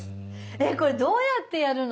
えっこれどうやってやるの？